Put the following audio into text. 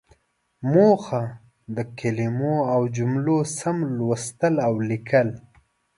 موخه: د کلمو او جملو سم لوستل او ليکل.